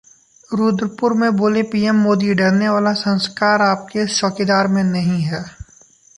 रुद्रपुर में बोले पीएम मोदी- डरने वाले संस्कार आपके इस चौकीदार में नहीं हैं